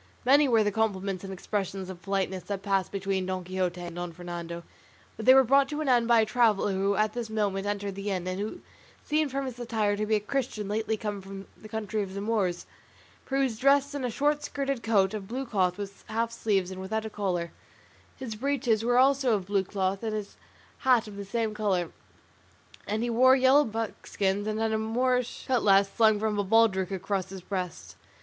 Many were the compliments and expressions of politeness that passed between Don Quixote and Don Fernando; but they were brought to an end by a traveller who at this moment entered the inn, and who seemed from his attire to be a Christian lately come from the country of the Moors, for he was dressed in a short skirted coat of blue cloth with half sleeves and without a collar; his breeches were also of blue cloth, and his cap of the same colour, and he wore yellow buskins and had a Moorish cutlass slung from a baldric across his breast.